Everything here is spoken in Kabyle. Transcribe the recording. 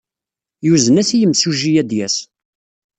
Yuzen-as i yimsujji ad d-yas.